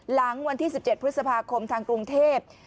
หลังวันที่๑๗พฤษภาคมทางกรุงเทพ